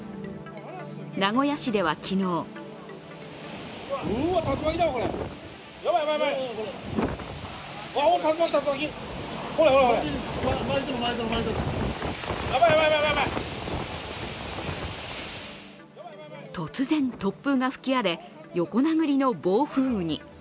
名古屋市では、昨日突然、突風が吹き荒れ、横殴りの暴風雨に。